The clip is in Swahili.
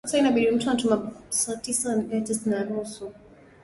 hatutaomba pesa wala kukopa madeni kutoka kwa nchi zingine